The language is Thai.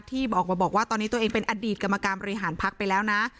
ที่บอกว่าตอนนี้ตัวเองเป็นอดีตกรรมการบริหารพักไปแล้วนะ